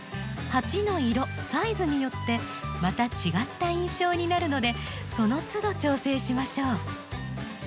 鉢の色サイズによってまた違った印象になるのでその都度調整しましょう。